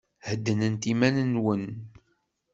Heddnet iman-nwen.